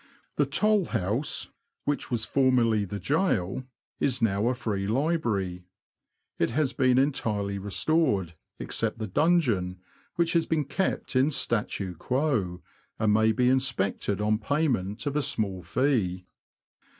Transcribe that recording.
The Toll House, which was formerly the Gaol, is now a Free Library. It has been entirely restored, except the Dungeon, which has been kept in statu quo, and may be inspected on payment of a small fee.